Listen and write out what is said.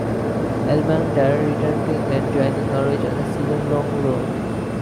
Elmander returned to England, joining Norwich on a season-long loan.